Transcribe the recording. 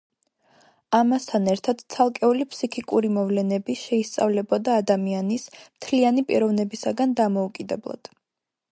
ამასთან ერთად ცალკეული ფსიქიკური მოვლენები შეისწავლებოდა ადამიანის, მთლიანი პიროვნებისაგან დამოუკიდებლად.